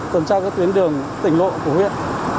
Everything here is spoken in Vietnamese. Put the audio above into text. tuần tra các tuyến đường tỉnh lộ của huyện